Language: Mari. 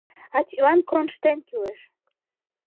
А тидлан кронштейн кӱлеш.